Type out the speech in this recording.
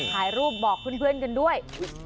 ถ่ายรูปบอกเพื่อนกันด้วย